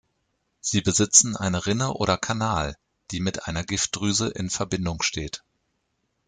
Sie besitzen eine Rinne oder Kanal, die mit einer Giftdrüse in Verbindung steht.